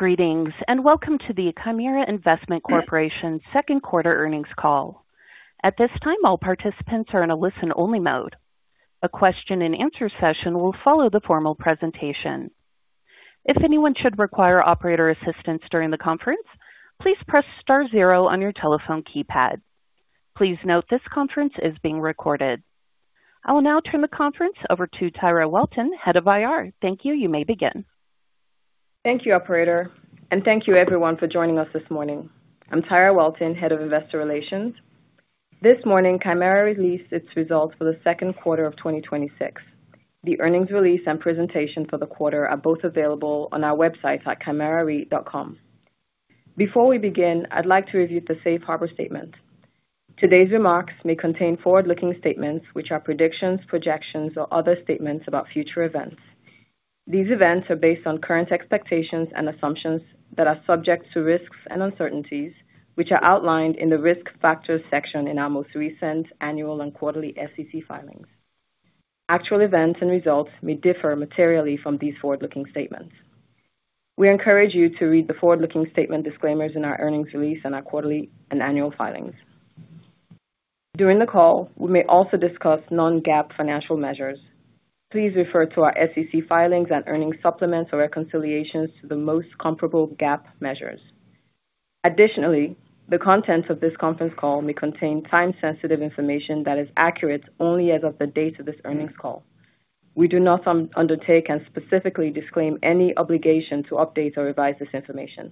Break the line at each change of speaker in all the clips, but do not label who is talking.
Greetings, welcome to the Chimera Investment Corporation second quarter earnings call. At this time, all participants are in a listen-only mode. A question and answer session will follow the formal presentation. If anyone should require operator assistance during the conference, please press star zero on your telephone keypad. Please note this conference is being recorded. I will now turn the conference over to Tyra Welton, Head of IR. Thank you. You may begin.
Thank you, operator, thank you everyone for joining us this morning. I'm Tyra Welton, Head of Investor Relations. This morning, Chimera released its results for the second quarter of 2026. The earnings release and presentation for the quarter are both available on our website at chimerareit.com. Before we begin, I'd like to review the Safe Harbor statement. Today's remarks may contain forward-looking statements, which are predictions, projections, or other statements about future events. These events are based on current expectations and assumptions that are subject to risks and uncertainties, which are outlined in the risk factors section in our most recent annual and quarterly SEC filings. Actual events and results may differ materially from these forward-looking statements. We encourage you to read the forward-looking statement disclaimers in our earnings release and our quarterly and annual filings. During the call, we may also discuss non-GAAP financial measures. Please refer to our SEC filings and earnings supplements for reconciliations to the most comparable GAAP measures. Additionally, the contents of this conference call may contain time-sensitive information that is accurate only as of the date of this earnings call. We do not undertake and specifically disclaim any obligation to update or revise this information.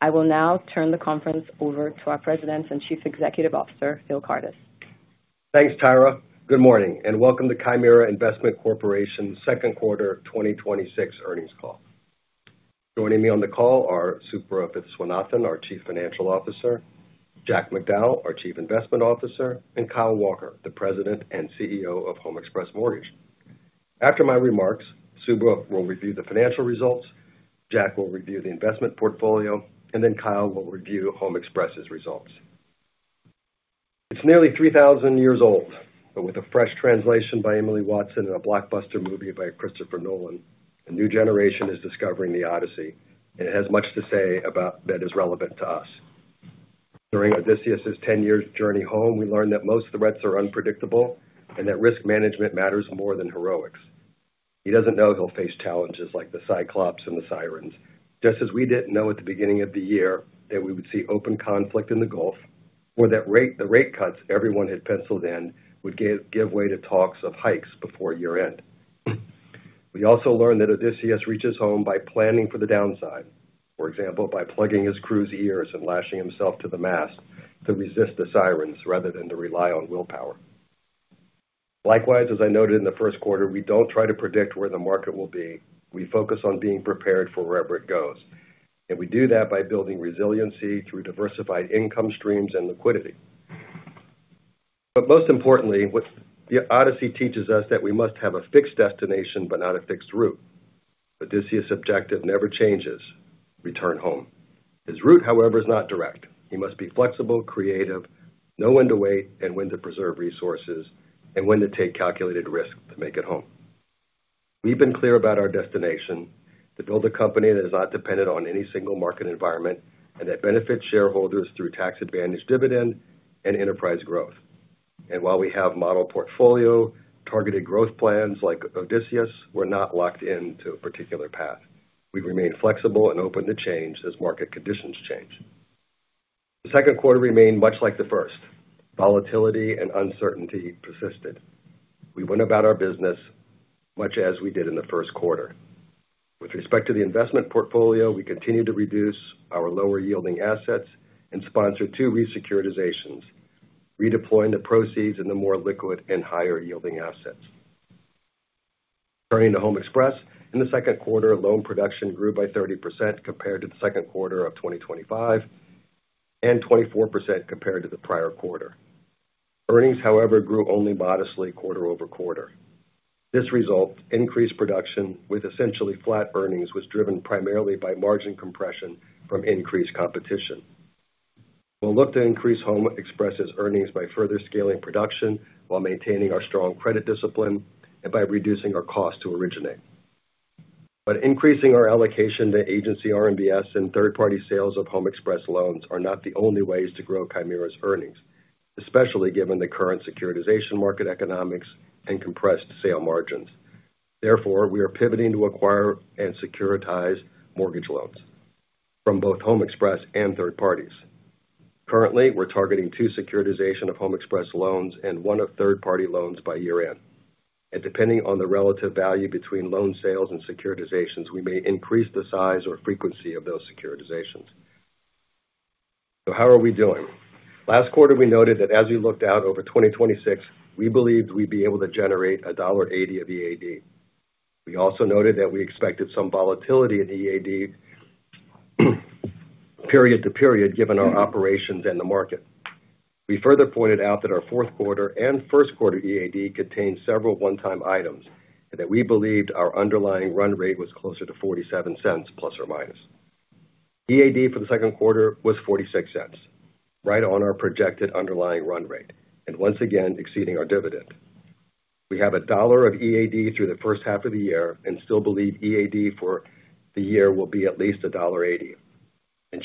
I will now turn the conference over to our President and Chief Executive Officer, Phil Kardis.
Thanks, Tyra. Good morning, welcome to Chimera Investment Corporation's second quarter 2026 earnings call. Joining me on the call are Subra Viswanathan, our Chief Financial Officer, Jack Macdowell, our Chief Investment Officer, and Kyle Walker, the President and CEO of HomeXpress Mortgage. After my remarks, Subra will review the financial results, Jack will review the investment portfolio, Kyle will review HomeXpress's results. It's nearly 3,000 years old, but with a fresh translation by Emily Wilson and a blockbuster movie by Christopher Nolan, a new generation is discovering The Odyssey, and it has much to say about that is relevant to us. During Odysseus's 10-year journey home, we learn that most threats are unpredictable and that risk management matters more than heroics. He doesn't know he'll face challenges like the Cyclops and the Sirens, just as we didn't know at the beginning of the year that we would see open conflict in the Gulf or that the rate cuts everyone had penciled in would give way to talks of hikes before year-end. We also learned that Odysseus reaches home by planning for the downside, for example, by plugging his crew's ears and lashing himself to the mast to resist the Sirens rather than to rely on willpower. Likewise, as I noted in the first quarter, we don't try to predict where the market will be. We focus on being prepared for wherever it goes, and we do that by building resiliency through diversified income streams and liquidity. Most importantly, The Odyssey teaches us that we must have a fixed destination but not a fixed route. Odysseus' objective never changes: return home. His route, however, is not direct. He must be flexible, creative, know when to wait and when to preserve resources, and when to take calculated risks to make it home. We've been clear about our destination, to build a company that is not dependent on any single market environment and that benefits shareholders through tax-advantaged dividend and enterprise growth. While we have model portfolio-targeted growth plans, like Odysseus, we're not locked into a particular path. We remain flexible and open to change as market conditions change. The second quarter remained much like the first. Volatility and uncertainty persisted. We went about our business much as we did in the first quarter. With respect to the investment portfolio, we continued to reduce our lower-yielding assets and sponsor two re-securitizations, redeploying the proceeds into more liquid and higher-yielding assets. Turning to HomeXpress, in the second quarter, loan production grew by 30% compared to the second quarter of 2025 and 24% compared to the prior quarter. Earnings, however, grew only modestly quarter-over-quarter. This result, increased production with essentially flat earnings, was driven primarily by margin compression from increased competition. We'll look to increase HomeXpress's earnings by further scaling production while maintaining our strong credit discipline and by reducing our cost to originate. Increasing our allocation to agency RMBS and third-party sales of HomeXpress loans are not the only ways to grow Chimera's earnings, especially given the current securitization market economics and compressed sale margins. Therefore, we are pivoting to acquire and securitize mortgage loans from both HomeXpress and third parties. Currently, we're targeting two securitization of HomeXpress loans and one of third-party loans by year-end. Depending on the relative value between loan sales and securitizations, we may increase the size or frequency of those securitizations. How are we doing? Last quarter, we noted that as we looked out over 2026, we believed we'd be able to generate $1.80 of EAD. We also noted that we expected some volatility in EAD period-to-period, given our operations and the market. We further pointed out that our fourth quarter and first quarter EAD contained several one-time items and that we believed our underlying run rate was closer to $0.47 ±. EAD for the second quarter was $0.46, right on our projected underlying run rate, and once again exceeding our dividend. We have $1 of EAD through the first half of the year and still believe EAD for the year will be at least $1.80. In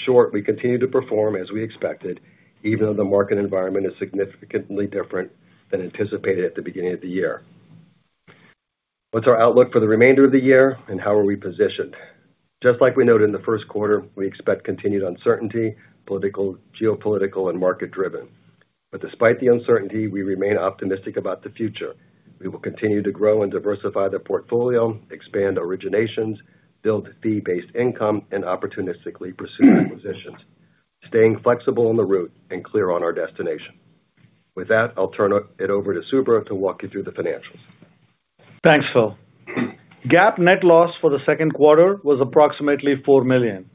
short, we continue to perform as we expected, even though the market environment is significantly different than anticipated at the beginning of the year. What's our outlook for the remainder of the year, and how are we positioned? Like we noted in the first quarter, we expect continued uncertainty, political, geopolitical, and market-driven. Despite the uncertainty, we remain optimistic about the future. We will continue to grow and diversify the portfolio, expand originations, build fee-based income, and opportunistically pursue acquisitions. Staying flexible on the route and clear on our destination. With that, I'll turn it over to Subra to walk you through the financials.
Thanks, Phil. GAAP net loss for the second quarter was approximately $4 million.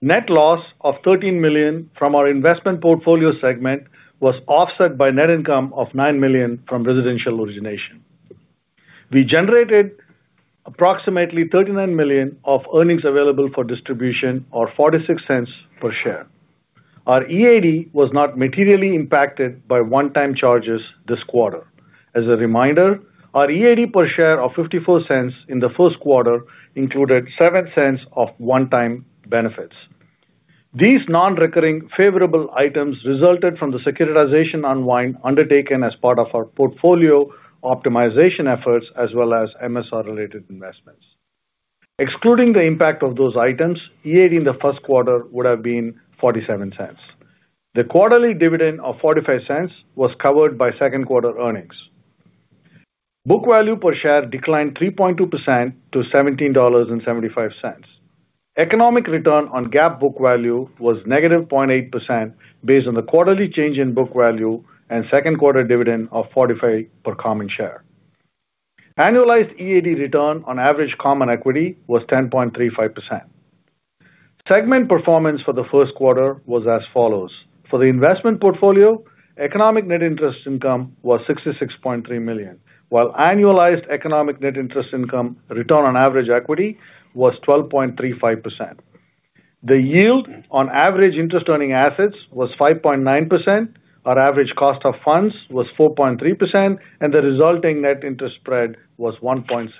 Net loss of $13 million from our investment portfolio segment was offset by net income of $9 million from residential origination. We generated approximately $39 million of earnings available for distribution or $0.46 per share. Our EAD was not materially impacted by one-time charges this quarter. As a reminder, our EAD per share of $0.54 in the first quarter included $0.07 of one-time benefits. These non-recurring favorable items resulted from the securitization unwind undertaken as part of our portfolio optimization efforts as well as MSR-related investments. Excluding the impact of those items, EAD in the first quarter would have been $0.47. The quarterly dividend of $0.45 was covered by second quarter earnings. Book value per share declined 3.2% to $17.75. Economic return on GAAP book value was -0.8% based on the quarterly change in book value and second-quarter dividend of $0.45 per common share. Annualized EAD return on average common equity was 10.35%. Segment performance for the first quarter was as follows. For the investment portfolio, economic net interest income was $66.3 million, while annualized economic net interest income return on average equity was 12.35%. The yield on average interest-earning assets was 5.9%, our average cost of funds was 4.3%, and the resulting net interest spread was 1.6%.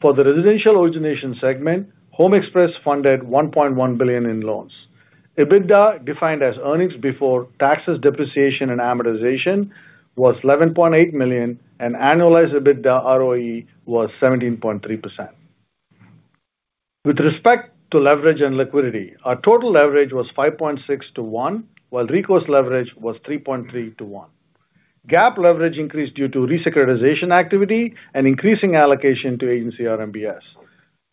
For the residential origination segment, HomeXpress funded $1.1 billion in loans. EBITDA, defined as earnings before taxes, depreciation, and amortization, was $11.8 million, and annualized EBITDA ROE was 17.3%. With respect to leverage and liquidity, our total leverage was 5.6 to 1, while recourse leverage was 3.3-1. GAAP leverage increased due to re-securitization activity and increasing allocation to agency RMBS.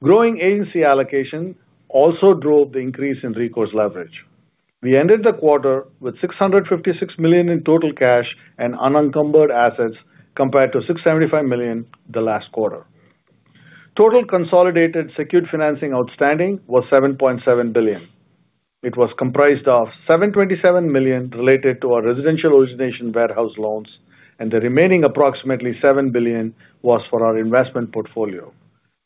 Growing agency allocation also drove the increase in recourse leverage. We ended the quarter with $656 million in total cash and unencumbered assets, compared to $675 million the last quarter. Total consolidated secured financing outstanding was $7.7 billion. It was comprised of $727 million related to our residential origination warehouse loans, and the remaining approximately $7 billion was for our investment portfolio.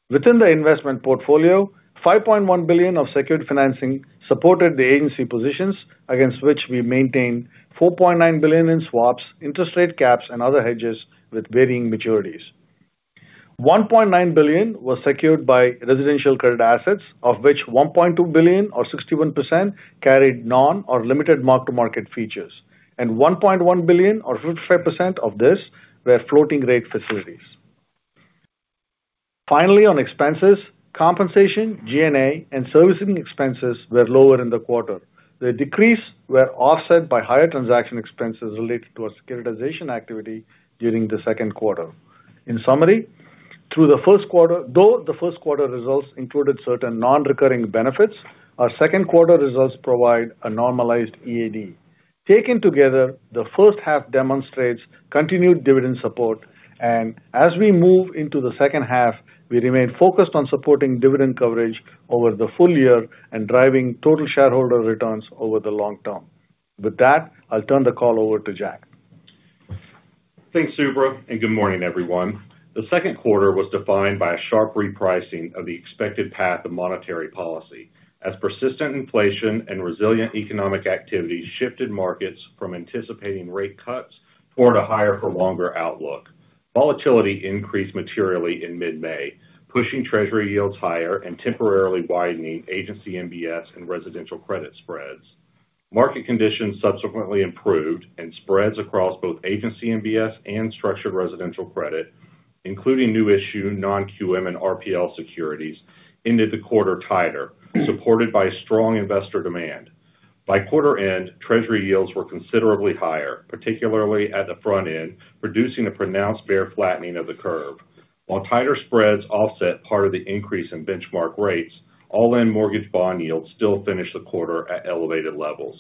Within the investment portfolio, $5.1 billion of secured financing supported the agency positions against which we maintained $4.9 billion in swaps, interest rate caps, and other hedges with varying maturities. $1.9 billion was secured by residential credit assets, of which $1.2 billion or 61% carried non or limited mark-to-market features, and $1.1 billion or 55% of this were floating rate facilities. Finally, on expenses, compensation, G&A, and servicing expenses were lower in the quarter. The decrease were offset by higher transaction expenses related to our securitization activity during the second quarter. In summary, though the first quarter results included certain non-recurring benefits, our second quarter results provide a normalized EAD. Taken together, the first half demonstrates continued dividend support, and as we move into the second half, we remain focused on supporting dividend coverage over the full year and driving total shareholder returns over the long term. With that, I'll turn the call over to Jack.
Thanks, Subra, and good morning, everyone. The second quarter was defined by a sharp repricing of the expected path of monetary policy as persistent inflation and resilient economic activity shifted markets from anticipating rate cuts toward a higher for longer outlook. Volatility increased materially in mid-May, pushing Treasury yields higher and temporarily widening agency MBS and residential credit spreads. Market conditions subsequently improved and spreads across both agency MBS and structured residential credit, including new issue non-QM and RPL securities ended the quarter tighter, supported by strong investor demand. By quarter end, Treasury yields were considerably higher, particularly at the front end, reducing the pronounced bear flattening of the curve. While tighter spreads offset part of the increase in benchmark rates, all in mortgage bond yields still finished the quarter at elevated levels.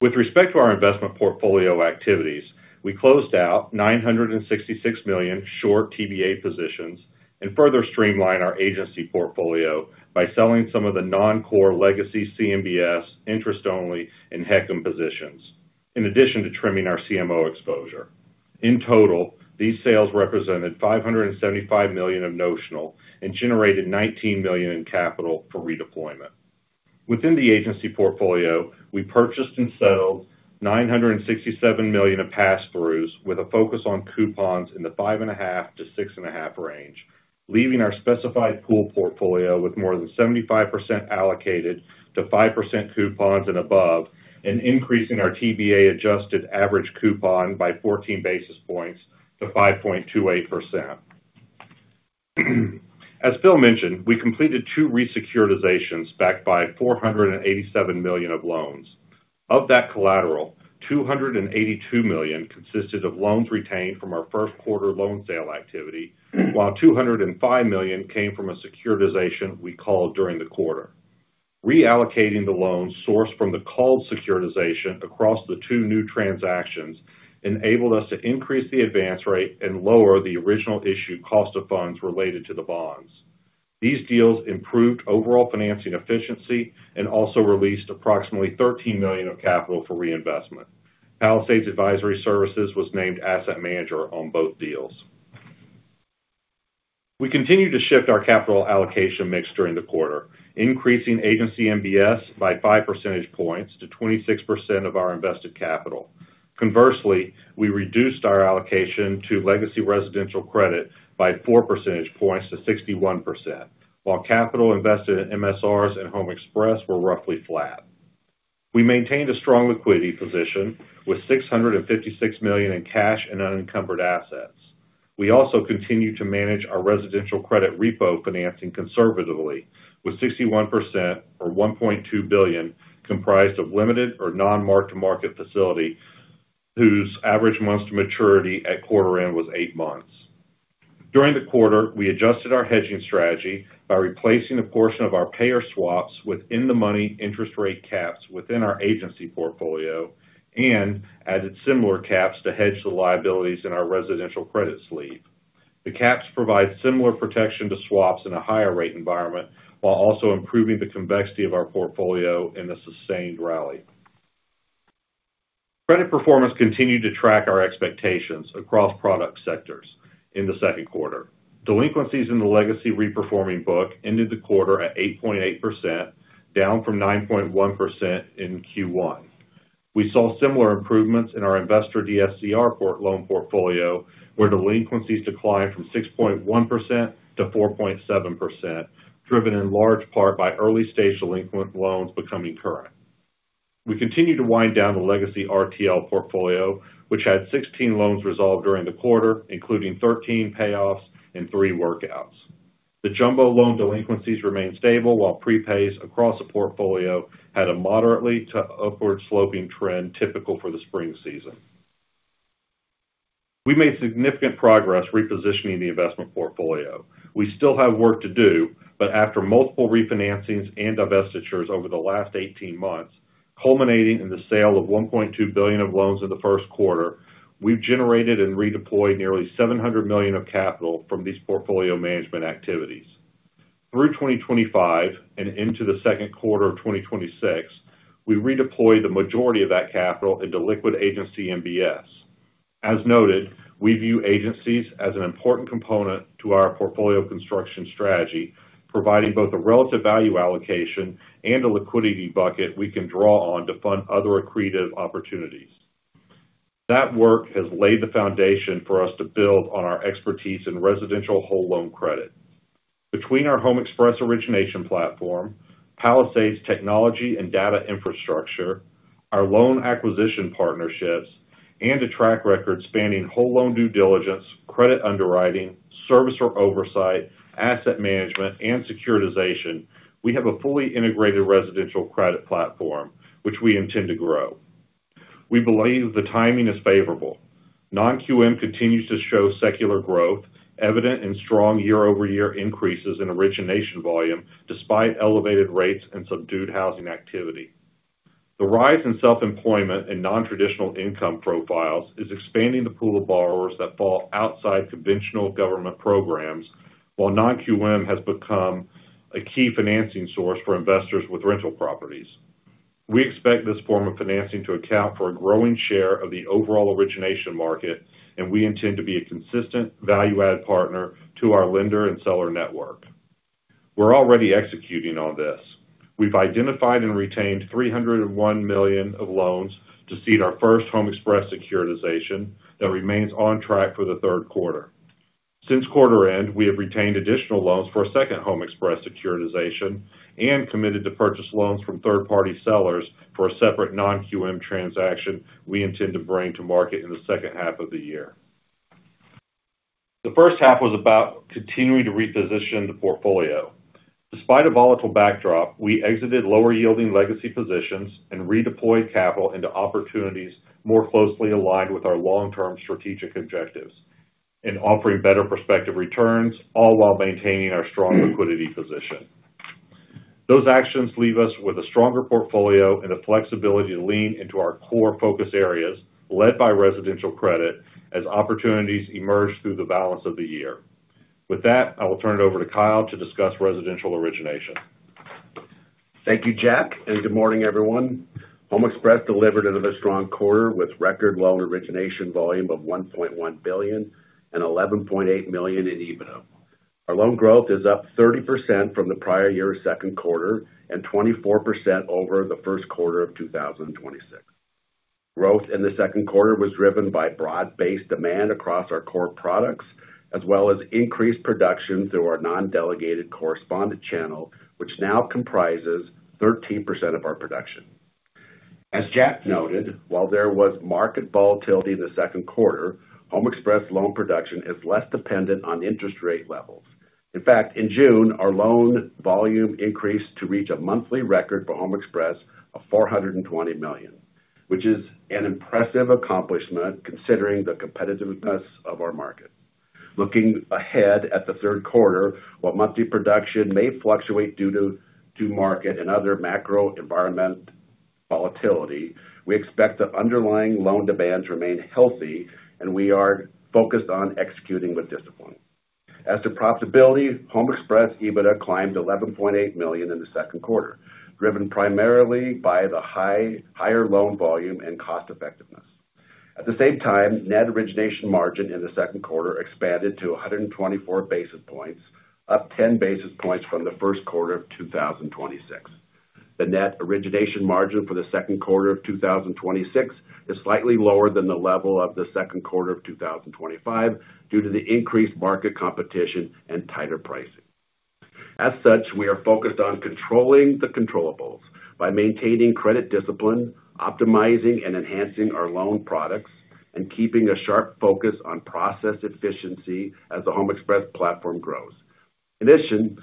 With respect to our investment portfolio activities, we closed out $966 million short TBA positions and further streamlined our agency portfolio by selling some of the non-core legacy CMBS interest only in HECM positions, in addition to trimming our CMO exposure. In total, these sales represented $575 million of notional and generated $19 million in capital for redeployment. Within the agency portfolio, we purchased and settled $967 million of pass-throughs with a focus on coupons in the 5.5-6.5 range, leaving our specified pool portfolio with more than 75% allocated to 5% coupons and above, and increasing our TBA adjusted average coupon by 14 basis points to 5.28%. As Phil mentioned, we completed two re-securitizations backed by $487 million of loans. Of that collateral, $282 million consisted of loans retained from our first quarter loan sale activity, while $205 million came from a securitization we called during the quarter. Reallocating the loans sourced from the called securitization across the two new transactions enabled us to increase the advance rate and lower the original issue cost of funds related to the bonds. These deals improved overall financing efficiency and also released approximately $13 million of capital for reinvestment. Palisades Advisory Services was named asset manager on both deals. We continued to shift our capital allocation mix during the quarter, increasing agency MBS by five percentage points to 26% of our invested capital. Conversely, we reduced our allocation to legacy residential credit by 4 percentage points to 61%, while capital invested in MSRs and HomeXpress were roughly flat. We maintained a strong liquidity position with $656 million in cash and unencumbered assets. We also continued to manage our residential credit repo financing conservatively with 61%, or $1.2 billion, comprised of limited or non-mark-to-market facility, whose average months to maturity at quarter end was eight months. During the quarter, we adjusted our hedging strategy by replacing a portion of our payer swaps within the money interest rate caps within our agency portfolio and added similar caps to hedge the liabilities in our residential credit sleeve. The caps provide similar protection to swaps in a higher rate environment while also improving the convexity of our portfolio in a sustained rally. Credit performance continued to track our expectations across product sectors in the second quarter. Delinquencies in the legacy re-performing book ended the quarter at 8.8%, down from 9.1% in Q1. We saw similar improvements in our investor DSCR loan portfolio, where delinquencies declined from 6.1%-4.7%, driven in large part by early-stage delinquent loans becoming current. We continue to wind down the legacy RTL portfolio, which had 16 loans resolved during the quarter, including 13 payoffs and three workouts. The jumbo loan delinquencies remain stable, while prepays across the portfolio had a moderately to upward-sloping trend typical for the spring season. We made significant progress repositioning the investment portfolio. After multiple refinancings and divestitures over the last 18 months, culminating in the sale of $1.2 billion of loans in the first quarter, we've generated and redeployed nearly $700 million of capital from these portfolio management activities. Through 2025 and into the second quarter of 2026, we redeployed the majority of that capital into liquid agency MBS. As noted, we view agencies as an important component to our portfolio construction strategy, providing both a relative value allocation and a liquidity bucket we can draw on to fund other accretive opportunities. That work has laid the foundation for us to build on our expertise in residential whole loan credit. Between our HomeXpress origination platform, Palisades technology and data infrastructure, our loan acquisition partnerships, and a track record spanning whole loan due diligence, credit underwriting, servicer oversight, asset management, and securitization, we have a fully integrated residential credit platform, which we intend to grow. We believe the timing is favorable. Non-QM continues to show secular growth, evident in strong year-over-year increases in origination volume despite elevated rates and subdued housing activity. The rise in self-employment and non-traditional income profiles is expanding the pool of borrowers that fall outside conventional government programs, while non-QM has become a key financing source for investors with rental properties. We expect this form of financing to account for a growing share of the overall origination market. We intend to be a consistent value-add partner to our lender and seller network. We're already executing on this. We've identified and retained $301 million of loans to seed our first HomeXpress securitization that remains on track for the third quarter. Since quarter end, we have retained additional loans for a second HomeXpress securitization and committed to purchase loans from third-party sellers for a separate non-QM transaction we intend to bring to market in the second half of the year. The first half was about continuing to reposition the portfolio. Despite a volatile backdrop, we exited lower-yielding legacy positions and redeployed capital into opportunities more closely aligned with our long-term strategic objectives in offering better prospective returns, all while maintaining our strong liquidity position. Those actions leave us with a stronger portfolio and the flexibility to lean into our core focus areas, led by residential credit, as opportunities emerge through the balance of the year. With that, I will turn it over to Kyle to discuss residential origination.
Thank you, Jack. Good morning, everyone. HomeXpress delivered another strong quarter with record loan origination volume of $1.1 billion and $11.8 million in EBITDA. Our loan growth is up 30% from the prior year second quarter and 24% over the first quarter of 2026. Growth in the second quarter was driven by broad-based demand across our core products, as well as increased production through our non-delegated correspondent channel, which now comprises 13% of our production. As Jack noted, while there was market volatility in the second quarter, HomeXpress loan production is less dependent on interest rate levels. In fact, in June, our loan volume increased to reach a monthly record for HomeXpress of $420 million, which is an impressive accomplishment considering the competitiveness of our market. Looking ahead at the third quarter, while monthly production may fluctuate due to market and other macro environment volatility, we expect the underlying loan demands remain healthy. We are focused on executing with discipline. As to profitability, HomeXpress EBITDA climbed $11.8 million in the second quarter, driven primarily by the higher loan volume and cost-effectiveness. At the same time, net origination margin in the second quarter expanded to 124 basis points, up 10 basis points from the first quarter of 2026. The net origination margin for the second quarter of 2026 is slightly lower than the level of the second quarter of 2025 due to the increased market competition and tighter pricing. As such, we are focused on controlling the controllables by maintaining credit discipline, optimizing and enhancing our loan products, and keeping a sharp focus on process efficiency as the HomeXpress platform grows. In addition,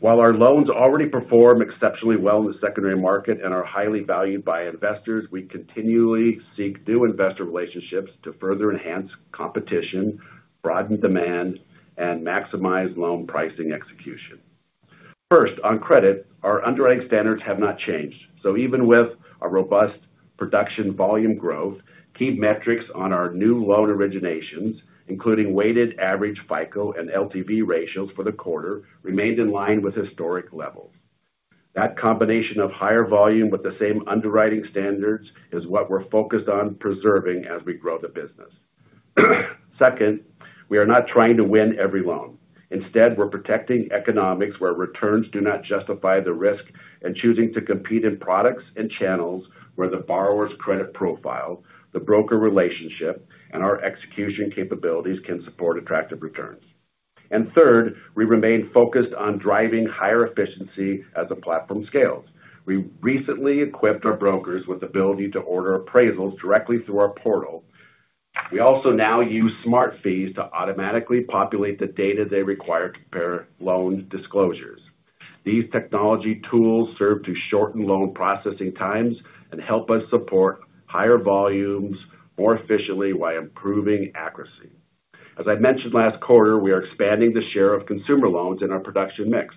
while our loans already perform exceptionally well in the secondary market and are highly valued by investors, we continually seek new investor relationships to further enhance competition, broaden demand, and maximize loan pricing execution. First, on credit, our underwriting standards have not changed. Even with a robust production volume growth, key metrics on our new loan originations, including weighted average FICO and LTV ratios for the quarter, remained in line with historic levels. That combination of higher volume with the same underwriting standards is what we're focused on preserving as we grow the business. Second, we are not trying to win every loan. Instead, we're protecting economics where returns do not justify the risk and choosing to compete in products and channels where the borrower's credit profile, the broker relationship, and our execution capabilities can support attractive returns. Third, we remain focused on driving higher efficiency as the platform scales. We recently equipped our brokers with the ability to order appraisals directly through our portal. We also now use SmartFees to automatically populate the data they require to prepare loan disclosures. These technology tools serve to shorten loan processing times and help us support higher volumes more efficiently while improving accuracy. As I mentioned last quarter, we are expanding the share of consumer loans in our production mix.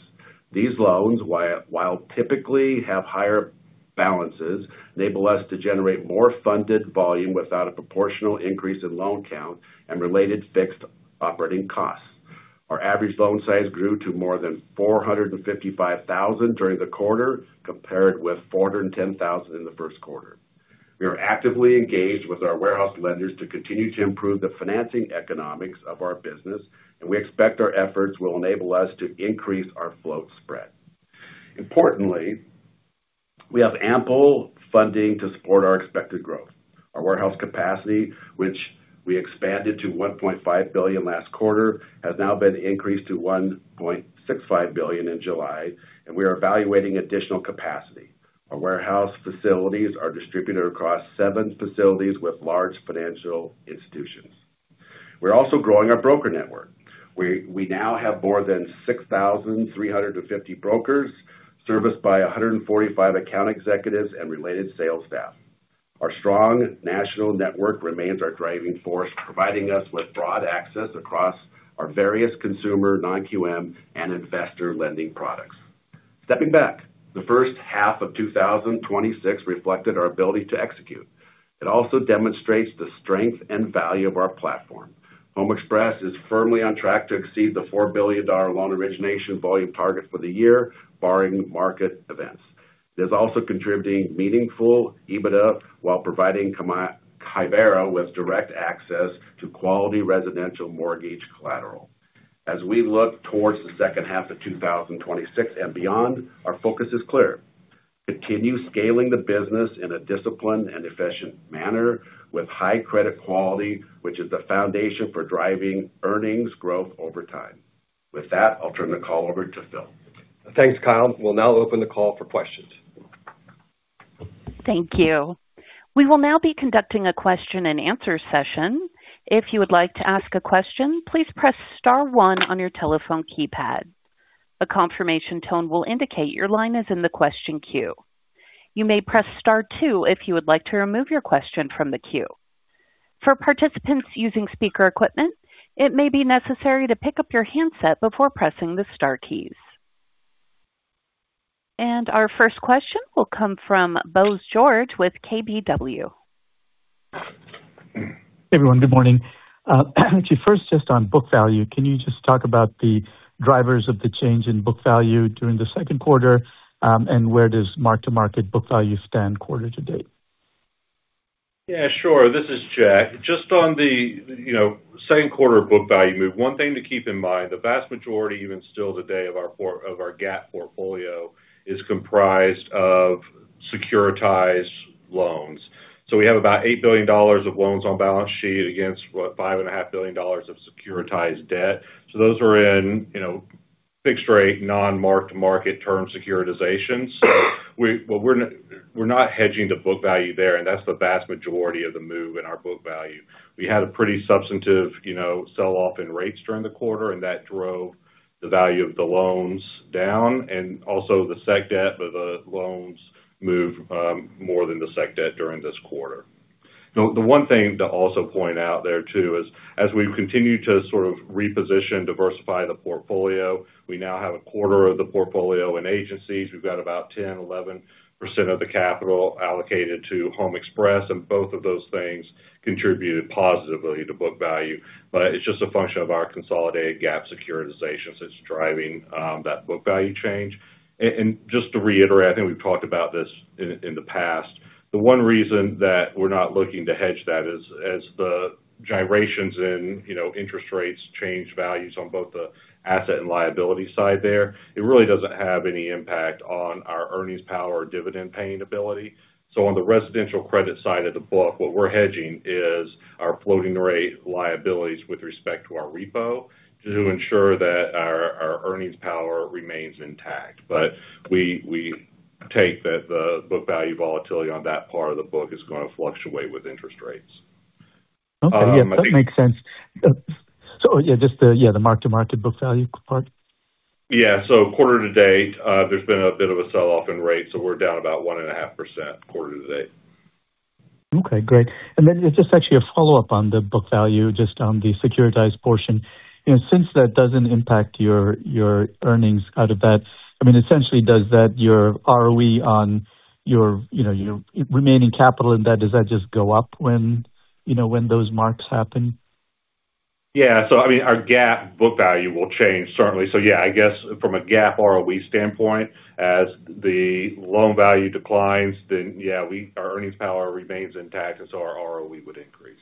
These loans, while typically have higher balances, enable us to generate more funded volume without a proportional increase in loan count and related fixed operating costs. Our average loan size grew to more than $455,000 during the quarter, compared with $410,000 in the first quarter. We are actively engaged with our warehouse lenders to continue to improve the financing economics of our business, and we expect our efforts will enable us to increase our float spread. Importantly, we have ample funding to support our expected growth. Our warehouse capacity, which we expanded to $1.5 billion last quarter, has now been increased to $1.65 billion in July, and we are evaluating additional capacity. Our warehouse facilities are distributed across seven facilities with large financial institutions. We're also growing our broker network. We now have more than 6,350 brokers serviced by 145 account executives and related sales staff. Our strong national network remains our driving force, providing us with broad access across our various consumer, non-QM, and investor lending products. Stepping back, the first half of 2026 reflected our ability to execute. It also demonstrates the strength and value of our platform. HomeXpress is firmly on track to exceed the $4 billion loan origination volume target for the year, barring market events. It is also contributing meaningful EBITDA while providing Chimera with direct access to quality residential mortgage collateral. As we look towards the second half of 2026 and beyond, our focus is clear. Continue scaling the business in a disciplined and efficient manner with high credit quality, which is the foundation for driving earnings growth over time. With that, I'll turn the call over to Phil.
Thanks, Kyle. We'll now open the call for questions.
Thank you. We will now be conducting a question and answer session. If you would like to ask a question, please press star one on your telephone keypad. A confirmation tone will indicate your line is in the question queue. You may press star two if you would like to remove your question from the queue. For participants using speaker equipment, it may be necessary to pick up your handset before pressing the star keys. Our first question will come from Bose George with KBW.
Hey, everyone. Good morning. First, just on book value, can you just talk about the drivers of the change in book value during the second quarter? Where does mark-to-market book value stand quarter to date?
Yeah, sure. This is Jack. Just on the second quarter book value move, one thing to keep in mind, the vast majority even still today of our GAAP portfolio is comprised of securitized loans. We have about $8 billion of loans on balance sheet against $5.5 billion of securitized debt. Those are in fixed rate, non-marked-to-market term securitizations. We're not hedging the book value there, that's the vast majority of the move in our book value. We had a pretty substantive sell-off in rates during the quarter that drove the value of the loans down, also the sec debt of the loans moved more than the sec debt during this quarter. The one thing to also point out there too is as we've continued to sort of reposition, diversify the portfolio, we now have a quarter of the portfolio in agencies. We've got about 10%, 11% of the capital allocated to HomeXpress, both of those things contributed positively to book value. It's just a function of our consolidated GAAP securitizations that's driving that book value change. Just to reiterate, I think we've talked about this in the past. The one reason that we're not looking to hedge that is as the gyrations in interest rates change values on both the asset and liability side there, it really doesn't have any impact on our earnings power or dividend-paying ability. On the residential credit side of the book, what we're hedging is our floating rate liabilities with respect to our repo to ensure that our earnings power remains intact. We take that the book value volatility on that part of the book is going to fluctuate with interest rates.
Okay. Yeah, that makes sense. Just the mark-to-market book value part.
Yeah. Quarter-to-date, there's been a bit of a sell-off in rates, so we're down about 1.5% quarter-to-date.
Okay, great. Just actually a follow-up on the book value, just on the securitized portion. Since that doesn't impact your earnings out of that, essentially, your ROE on your remaining capital in debt, does that just go up when those marks happen?
Yeah. Our GAAP book value will change, certainly. Yeah, I guess from a GAAP ROE standpoint, as the loan value declines, then yeah, our earnings power remains intact, and so our ROE would increase.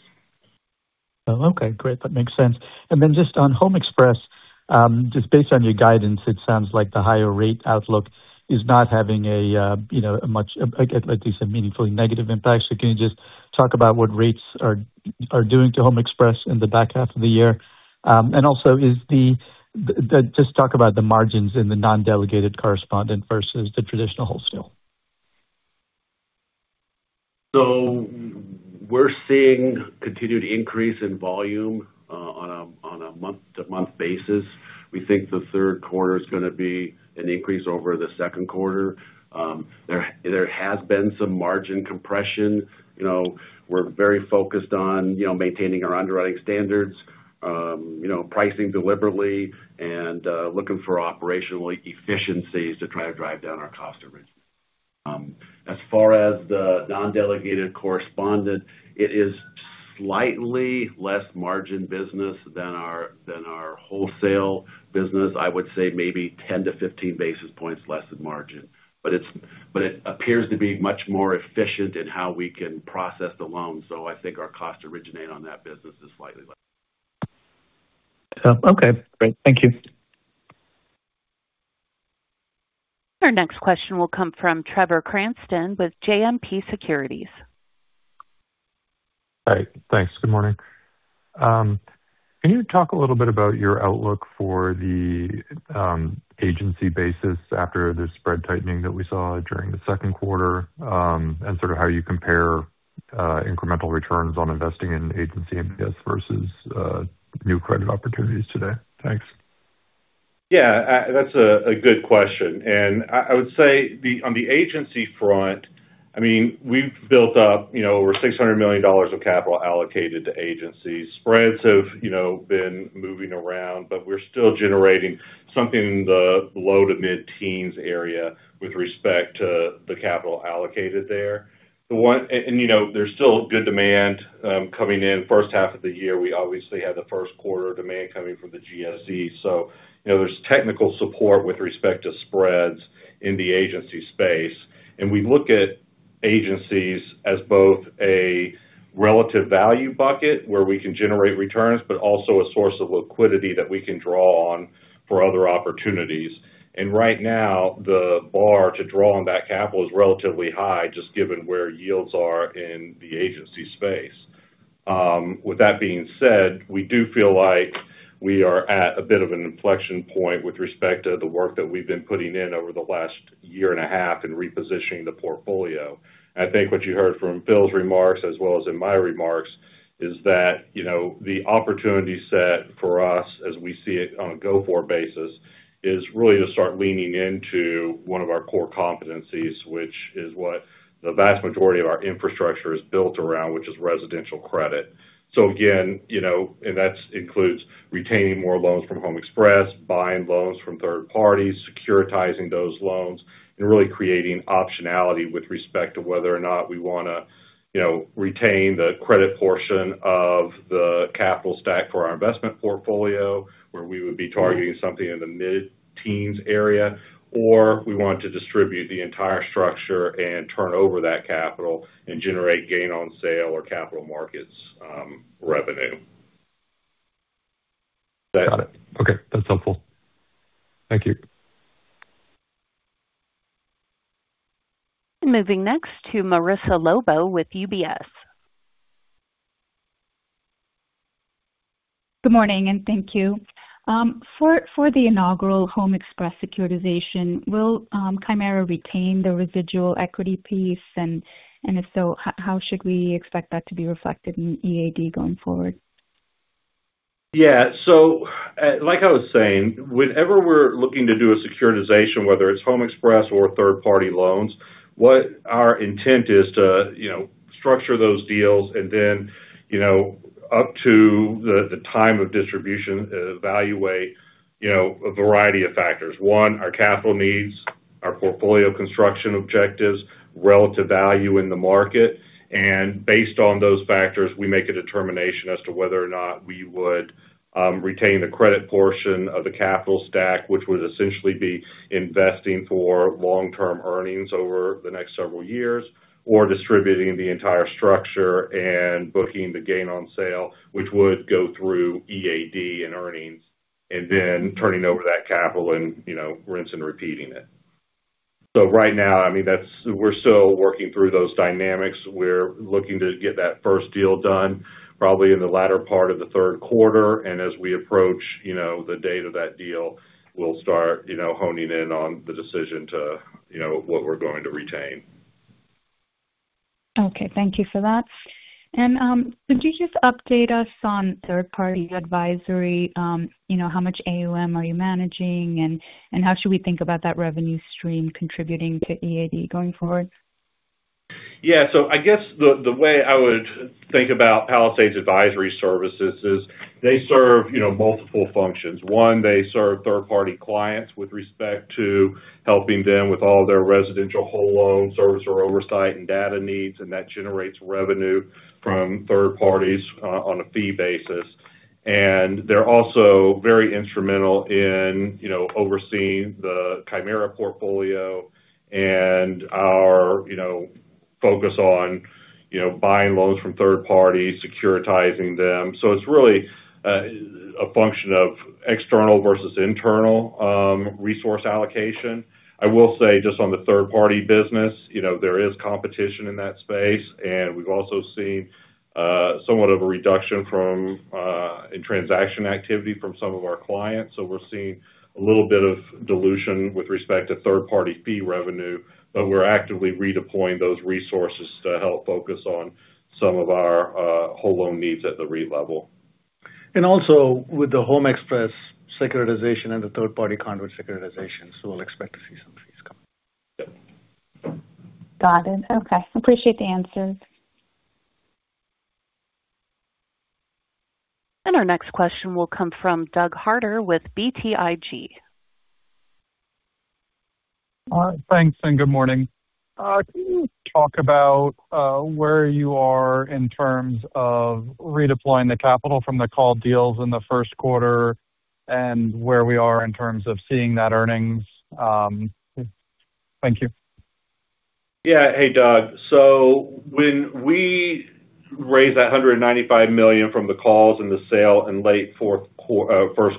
Okay, great. That makes sense. Just on HomeXpress, just based on your guidance, it sounds like the higher rate outlook is not having at least a meaningfully negative impact. Can you just talk about what rates are doing to HomeXpress in the back half of the year? Just talk about the margins in the non-delegated correspondent versus the traditional wholesale.
We're seeing continued increase in volume on a month-over-month basis. We think the third quarter is going to be an increase over the second quarter. There has been some margin compression. We're very focused on maintaining our underwriting standards, pricing deliberately, and looking for operational efficiencies to try to drive down our cost to origin. As far as the non-delegated correspondent, it is slightly less margin business than our wholesale business. I would say maybe 10-15 basis points less in margin. It appears to be much more efficient in how we can process the loans. I think our cost to originate on that business is slightly less.
Okay, great. Thank you.
Our next question will come from Trevor Cranston with JMP Securities.
Hi. Thanks. Good morning. Can you talk a little bit about your outlook for the agency basis after the spread tightening that we saw during the second quarter, and sort of how you compare incremental returns on investing in agency MBS versus new credit opportunities today? Thanks.
Yeah. That's a good question. On the agency front, we've built up over $600 million of capital allocated to agencies. Spreads have been moving around, but we're still generating something in the low to mid-teens area with respect to the capital allocated there. There's still good demand coming in first half of the year. We obviously had the first quarter demand coming from the GSE. There's technical support with respect to spreads in the agency space. We look at agencies as both a relative value bucket where we can generate returns, but also a source of liquidity that we can draw on for other opportunities. Right now, the bar to draw on that capital is relatively high just given where yields are in the agency space. With that being said, we do feel like we are at a bit of an inflection point with respect to the work that we've been putting in over the last year and a half in repositioning the portfolio. I think what you heard from Phil's remarks as well as in my remarks is that the opportunity set for us as we see it on a go-forward basis is really to start leaning into one of our core competencies, which is what the vast majority of our infrastructure is built around, which is residential credit. That includes retaining more loans from HomeXpress, buying loans from third parties, securitizing those loans, and really creating optionality with respect to whether or not we want to retain the credit portion of the capital stack for our investment portfolio, where we would be targeting something in the mid-teens area, or we want to distribute the entire structure and turn over that capital and generate gain on sale or capital markets revenue. Got it. Okay. That's helpful. Thank you.
Moving next to Marissa Lobo with UBS.
Good morning, and thank you. For the inaugural HomeXpress securitization, will Chimera retain the residual equity piece? If so, how should we expect that to be reflected in EAD going forward?
Yeah. Like I was saying, whenever we're looking to do a securitization, whether it's HomeXpress or third-party loans, what our intent is to structure those deals up to the time of distribution, evaluate a variety of factors. One, our capital needs, our portfolio construction objectives, relative value in the market. Based on those factors, we make a determination as to whether or not we would retain the credit portion of the capital stack, which would essentially be investing for long-term earnings over the next several years, or distributing the entire structure and booking the gain on sale, which would go through EAD and earnings, then turning over that capital and rinse and repeating it. Right now, we're still working through those dynamics. We're looking to get that first deal done probably in the latter part of the third quarter. As we approach the date of that deal, we'll start honing in on the decision to what we're going to retain.
Okay. Thank you for that. Could you just update us on third-party advisory? How much AUM are you managing, and how should we think about that revenue stream contributing to EAD going forward?
Yeah. I guess the way I would think about Palisades Advisory Services is they serve multiple functions. One, they serve third-party clients with respect to helping them with all their residential whole loan servicer oversight and data needs, and that generates revenue from third parties on a fee basis. They're also very instrumental in overseeing the Chimera portfolio and our focus on buying loans from third parties, securitizing them. It's really a function of external versus internal resource allocation. I will say, just on the third-party business, there is competition in that space, and we've also seen somewhat of a reduction in transaction activity from some of our clients. We're seeing a little bit of dilution with respect to third-party fee revenue, but we're actively redeploying those resources to help focus on some of our whole loan needs at the REIT level.
Also with the HomeXpress securitization and the third-party conduit securitizations, we'll expect to see some fees come.
Got it. Okay. Appreciate the answers.
Our next question will come from Doug Harter with BTIG.
All right, thanks, and good morning. Can you talk about where you are in terms of redeploying the capital from the call deals in the first quarter and where we are in terms of seeing that earnings? Thank you.
Yeah. Hey, Doug. When we raised that $195 million from the calls and the sale in late first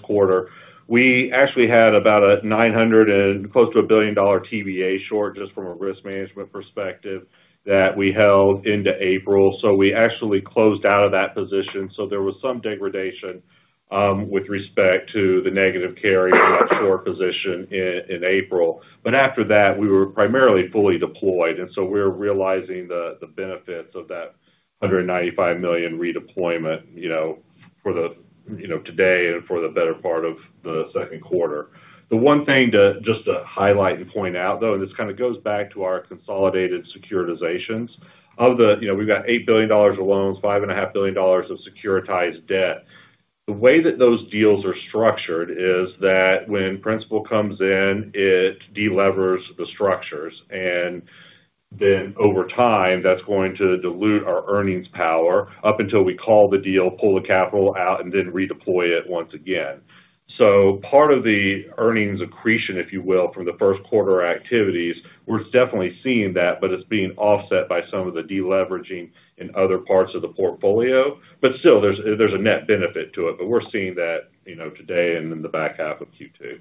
quarter, we actually had about close to a billion-dollar TBA short just from a risk management perspective that we held into April. We actually closed out of that position. There was some degradation with respect to the negative carry of that short position in April. After that, we were primarily fully deployed, we're realizing the benefits of that $195 million redeployment today and for the better part of the second quarter. The one thing just to highlight and point out, though, this kind of goes back to our consolidated securitizations. We've got $8 billion of loans, $5.5 billion of securitized debt. The way that those deals are structured is that when principal comes in, it de-levers the structures. Over time, that's going to dilute our earnings power up until we call the deal, pull the capital out, and then redeploy it once again. Part of the earnings accretion, if you will, from the first quarter activities, we're definitely seeing that, but it's being offset by some of the de-leveraging in other parts of the portfolio. Still, there's a net benefit to it. We're seeing that today and in the back half of Q2.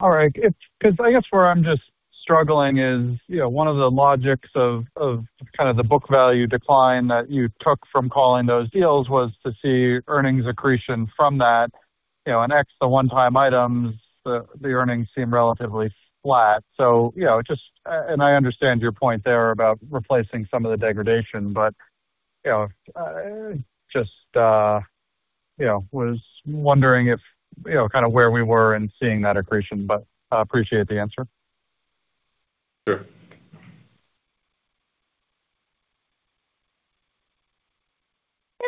All right. I guess where I'm just struggling is one of the logics of kind of the book value decline that you took from calling those deals was to see earnings accretion from that. X, the one-time items, the earnings seem relatively flat. I understand your point there about replacing some of the degradation, but just was wondering if kind of where we were in seeing that accretion, but appreciate the answer.
Sure.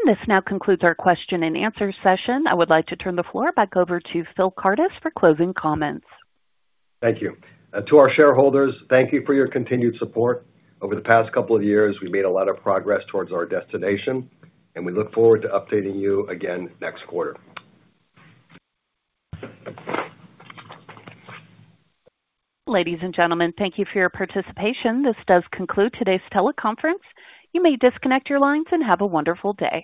This now concludes our question and answer session. I would like to turn the floor back over to Phil Kardis for closing comments.
Thank you. To our shareholders, thank you for your continued support. Over the past couple of years, we've made a lot of progress towards our destination, and we look forward to updating you again next quarter.
Ladies and gentlemen, thank you for your participation. This does conclude today's teleconference. You may disconnect your lines, and have a wonderful day.